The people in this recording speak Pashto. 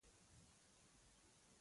خوب د بې خوبۍ ضد دی